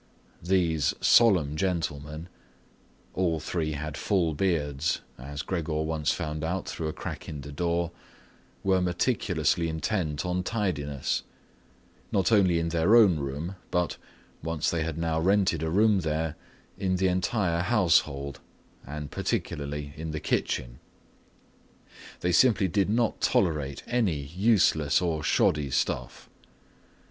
These solemn gentlemen—all three had full beards, as Gregor once found out through a crack in the door—were meticulously intent on tidiness, not only in their own room but, since they had now rented a room here, in the entire household, and particularly in the kitchen. They simply did not tolerate any useless or shoddy stuff.